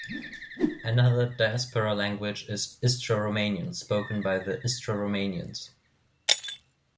Another diaspora language is Istro-Romanian, spoken by the Istro-Romanians.